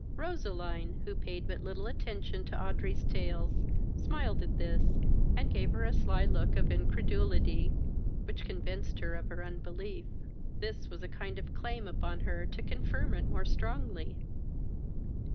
Roseline, who paid but little attention to Audrey's tales, smiled at this, and gave her a sly look of incredulity, which convinced her of her unbelief. This was a kind of claim upon her to confirm it more strongly.